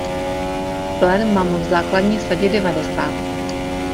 Plen mám v základní sadě devadesát.